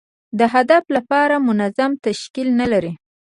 د هدف لپاره منظم تشکیل نه لري.